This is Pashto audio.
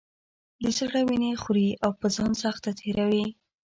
د زړه وینې خوري او په ځان سخته تېروي.